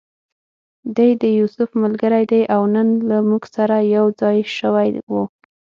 دی د یوسف ملګری دی او نن له موږ سره یو ځای شوی و.